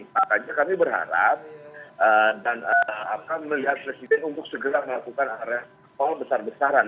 makanya kami berharap dan akan melihat presiden untuk segera melakukan restol besar besaran